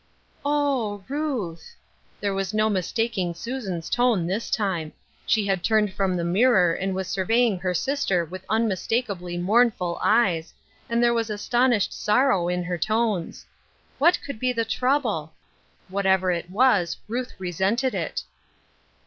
"Oh, Ruth I" There was no mistaking Susan's tone this time. She had turned from the mirror and was survey ing her sister with unmistakably mournful eyes, and there was astonished sorrow in her tones. What could be the trouble ! Whatever it was Ruth resented it.